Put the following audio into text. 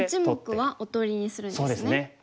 １目はおとりにするんですね。